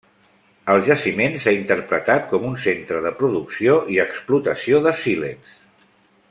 El jaciment s'ha interpretat com un centre de producció i explotació de sílex.